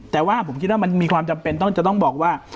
แต่ว่าผมคิดว่ามันมีความจำเป็นต้องจะต้องบอกว่า